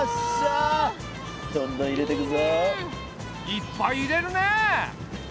いっぱい入れるねえ。